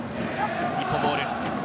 日本ボール。